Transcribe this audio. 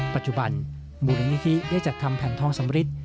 ปัจจุบันมูลนิธิได้จัดทำแผ่นทองสำริท